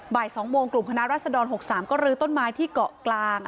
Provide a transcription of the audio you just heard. บ่าย๒โมงกลุ่มคณะรัศดร๖๓ก็ลื้อต้นไม้ที่เกาะกลาง